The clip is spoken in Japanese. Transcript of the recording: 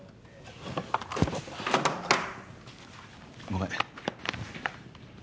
ごめん。